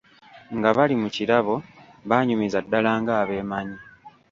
Nga bali mu kirabo, baanyumiza ddala ng'abeemanyi.